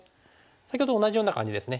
先ほどと同じような感じですね。